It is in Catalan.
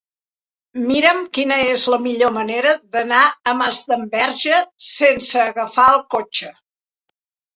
Mira'm quina és la millor manera d'anar a Masdenverge sense agafar el cotxe.